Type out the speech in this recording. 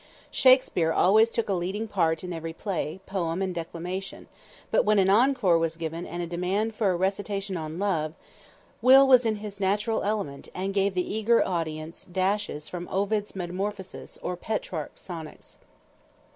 Shakspere always took a leading part in every play, poem and declamation, but when an encore was given and a demand for a recitation on love, Will was in his natural element and gave the eager audience dashes from Ovid's Metamorphoses or Petrarch's Sonnets.